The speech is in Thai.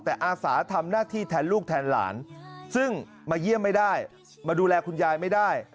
แต่อาสาทำหน้าที่แทนลูกแทนหลานซึ่งมาเยี่ยมไม่ได้มาดูแลคุณยายไม่ได้